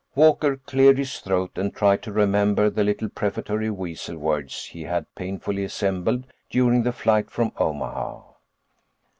Walker cleared his throat and tried to remember the little prefatory weasel words he had painfully assembled during the flight from Omaha.